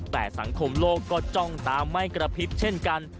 แต่สังคมโลกก็จ้องตาไม่กระพริบเช่นกัน